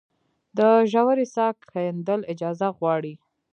د ژورې څاه کیندل اجازه غواړي؟